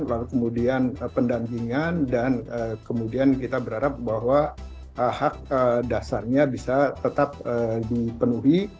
lalu kemudian pendampingan dan kemudian kita berharap bahwa hak dasarnya bisa tetap dipenuhi